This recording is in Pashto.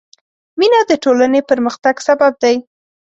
مینه د ټولنې پرمختګ سبب دی.